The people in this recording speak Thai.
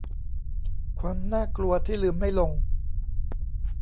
ความน่ากลัวที่ลืมไม่ลง